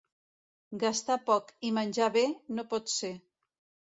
Gastar poc i menjar bé, no pot ser.